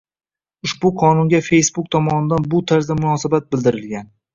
Ushbu qonunga Facebook tomonidan bu tarzda munosabat bildirilgan.